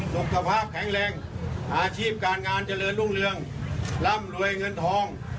สุขภาพแข็งแรงอาชีพการงานเจริญรุ่งเรืองร่ำรวยเงินทอง